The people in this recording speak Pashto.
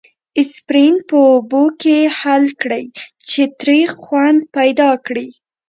اسپرین په اوبو کې حل کړئ چې تریخ خوند پیدا کړي.